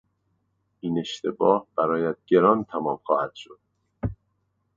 این اشتباه برایت گران تمام خواهد شد.